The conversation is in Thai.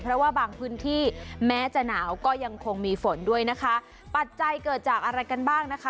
เพราะว่าบางพื้นที่แม้จะหนาวก็ยังคงมีฝนด้วยนะคะปัจจัยเกิดจากอะไรกันบ้างนะคะ